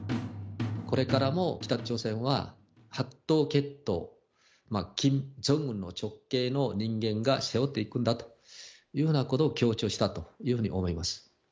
これからも北朝鮮は白頭血統、キム・ジョンウンの直系の人間が背負っていくんだというようなことを強調したというふうに思います。